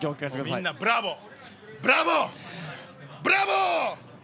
みんなブラボー、ブラボーブラボー！